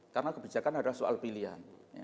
karena kebijakan adalah soal pilihan